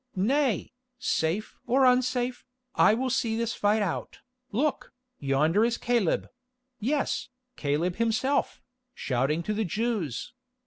"Nay, safe or unsafe, I will see this fight out. Look, yonder is Caleb—yes, Caleb himself, shouting to the Jews.